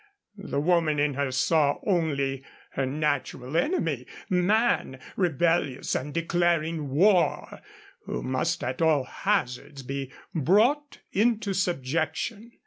The woman in her saw only her natural enemy, man, rebellious and declaring war, who must at all hazards be brought into subjection.